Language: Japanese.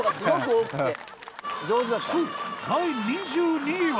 そう第２２位は。